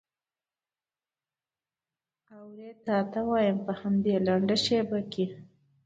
اورې تا ته وایم په همدې لنډه شېبه کې.